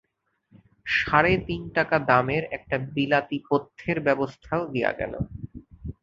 সাড়ে তিন টাকা দামের একটা বিলাতী পথ্যের ব্যবস্থাও দিয়া গেল।